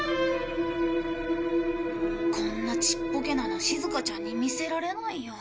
こんなちっぽけなのしずかちゃんに見せられないや。